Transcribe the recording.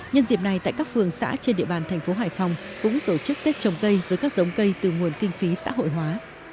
nhân dịp này tại các phường xã trên địa bàn thành phố hải phòng cũng tổ chức tết trồng cây với các giống cây từ nguồn kinh phí xã hội hóa